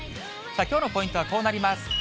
きょうのポイントはこうなります。